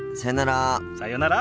さよなら。